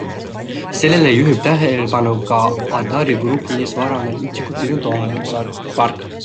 Sellele juhib tähelepanu ka Adaur Grupi kinnisvaraanalüütik Tõnu Toompark.